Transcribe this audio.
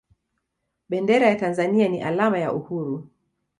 bendera ya tanzania ni alama ya uhuru